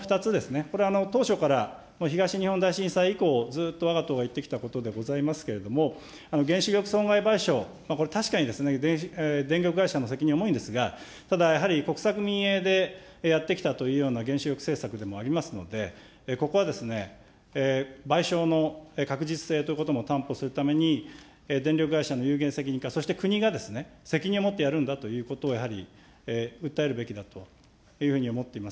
これ、当初から東日本大震災以降、ずっとわが党が言ってきたことでございますけれども、原子力損害賠償、これ、確かに電力会社の責任、重いんですが、ただやはり、国策民営でやってきたというような原子力政策でもありますので、ここは賠償の確実性ということも担保するために、電力会社のゆうげん責任か、そして国が責任を持ってやるんだということを、やはり訴えるべきだと思ってます。